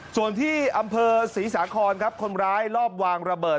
ส่วนที่อำเภอศรีสาครครับคนร้ายรอบวางระเบิด